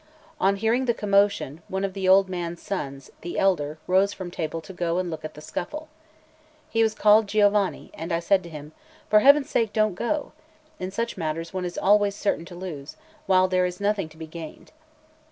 On hearing the commotion, one of the old man's sons, the elder, rose from table to go and look at the scuffle. He was called Giovanni; and I said to him: "For Heaven's sake, don't go! In such matters one is always certain to lose, while there is nothing to be gained."